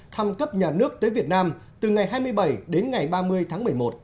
thăm cấp nhà nước tới việt nam từ ngày hai mươi bảy đến ngày ba mươi tháng một mươi một